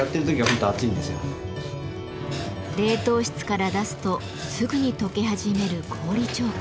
冷凍室から出すとすぐにとけ始める氷彫刻。